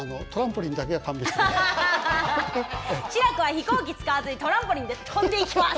志らくは飛行機使わずにトランポリンで飛んでいきます。